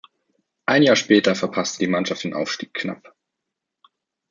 Ein Jahr später verpasste die Mannschaft den Aufstieg knapp.